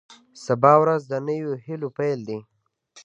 سبا ورځ د نویو هیلو پیل دی.